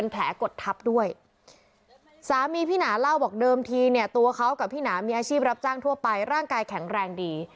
กดทับด้วยสามีพี่หนาเล่าบอกเดิมทีเนี่ยตัวเขากับพี่หนามีอาชีพรับจ้างทั่วไปร่างกายแข็งแรงดี